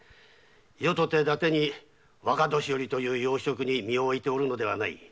余とてだてに若年寄という要職に身をおいておるのではない。